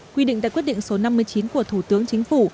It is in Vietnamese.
quy định tại quyết định số năm mươi chín của thủ tướng chính phủ